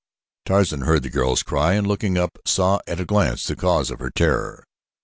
Tarzan heard the girl's cry and looking up saw at a glance the cause of her terror.